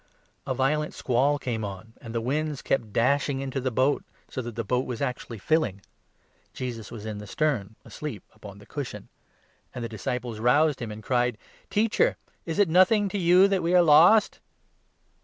A violent squall came on, and the waves kept dashing into the 37 boat, so that the boat was actually filling. Jesus was in the 38 stern asleep upon the cushion ; and the disciples roused him and cried :" Teacher ! is it nothing to you that we are lost